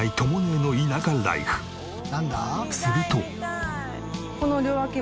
すると。